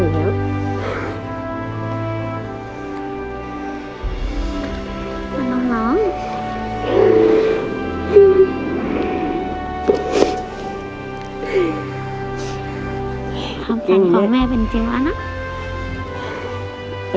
ความฝันของแม่เป็นจริงแล้วนะ